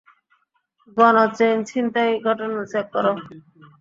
গণ চেইন ছিনতাই ঘটনা চেক কর!